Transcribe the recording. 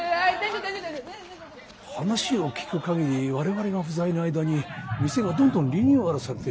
話を聞く限り我々が不在の間に店がどんどんリニューアルされてるようだ。